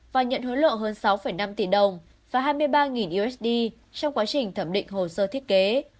và nhận hối lộ hơn sáu năm tỷ đồng và hai mươi ba usd trong quá trình thẩm định hồ sơ thiết kế